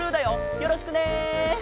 よろしくね！